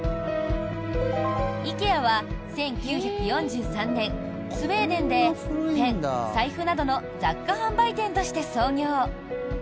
ＩＫＥＡは１９４３年スウェーデンでペン、財布などの雑貨販売店として創業。